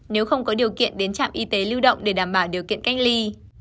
nếu không có điều kiện đến trạm y tế lưu động để đảm bảo điều kiện cách ly